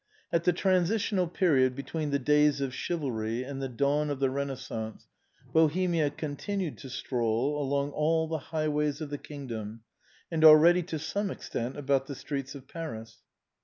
At the transitional period between the days of chivalry and the dawn of the Eenaissance, Bohemia continues to stroll along all the highways of the kingdom, and already to some extent about the streets of Paris.